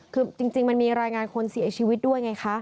คือจริงมันมีรายงานคนเสียชีวิตด้วยไงคะ